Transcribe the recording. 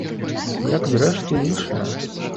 Як, зрэшты, і іншыя.